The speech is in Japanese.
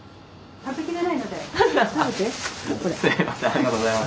ありがとうございます。